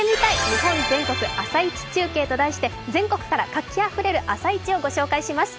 日本全国朝市中継」と題して全国から活気あふれる朝市をご紹介いたします。